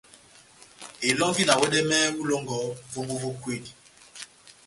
Elɔ́ngi na wɛdɛmɛhɛ ó ilɔ́ngɔ vómbo vó kwedi.